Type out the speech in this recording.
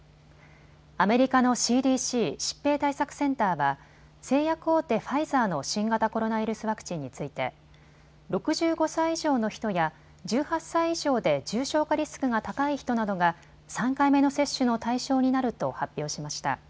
アメリカのＣＤＣ・疾病対策センターは製薬大手、ファイザーの新型コロナウイルスワクチンについて６５歳以上の人や１８歳以上で重症化リスクが高い人などが３回目の接種の対象になると発表しました。